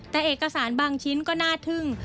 แต่เอกสารบางชิ้นก็น่าทึ่ง